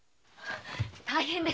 大変です